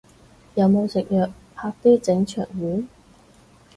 有冇食藥，啪啲整腸丸